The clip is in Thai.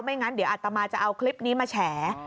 งั้นเดี๋ยวอัตมาจะเอาคลิปนี้มาแฉ